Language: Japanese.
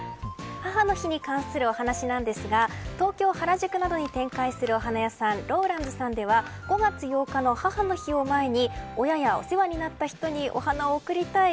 母の日に関するお話ですが東京、原宿などに展開するお花屋さん、ローランズさんでは５月８日の母の日を前に親やお世話になった人にお花を贈りたい。